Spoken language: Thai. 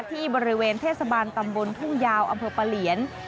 ที่บริเวณเทศบาลตำบลทุ่งยาวอำเภอปะเหลียน